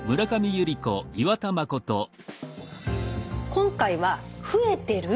今回は増えてる？